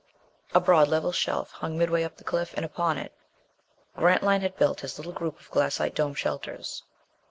A broad level shelf hung midway up the cliff, and upon it Grantline had built his little group of glassite dome shelters.